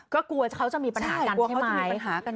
ก็กลัวเขาจะมีปัญหากันใช่ไหม